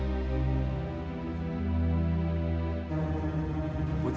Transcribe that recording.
jangan jadi seorang pula yang se junuh